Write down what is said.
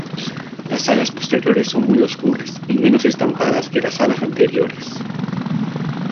Las alas posteriores son muy oscuras y menos estampadas que las alas anteriores.